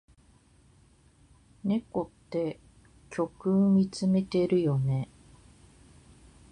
猫って虚空みつめてるよね。